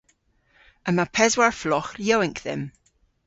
Yma peswar fleghes yowynk dhymm.